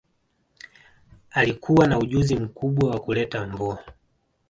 Alikuwa na ujuzi mkubwa wa kuleta mvua